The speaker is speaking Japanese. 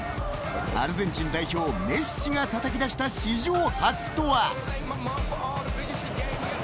アルゼンチン代表メッシがたたき出した史上初とは。